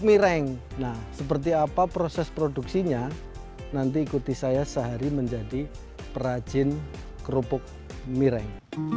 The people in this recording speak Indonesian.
mireng nah seperti apa proses produksinya nanti ikuti saya sehari menjadi perajin kerupuk mireng